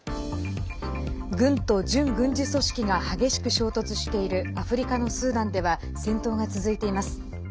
軍と準軍事組織が激しく衝突しているアフリカのスーダンでは戦闘が続いています。